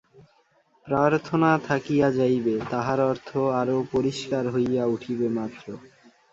প্রার্থনা থাকিয়া যাইবে, তাহার অর্থ আরও পরিষ্কার হইয়া উঠিবে মাত্র।